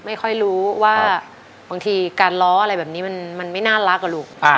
ไม่รู้ว่าบางทีการล้ออะไรแบบนี้มันไม่น่ารักอะลูก